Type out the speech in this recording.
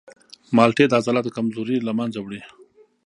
مالټې د عضلاتو کمزوري له منځه وړي.